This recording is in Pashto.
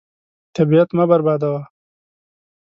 طبیعت مه بربادوه.